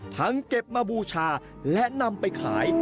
เก็บมาบูชาและนำไปขาย